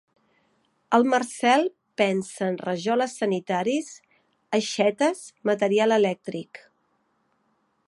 El Marcel pensa en rajoles sanitaris aixetes material elèctric.